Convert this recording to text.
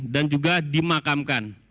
dan juga dimakamkan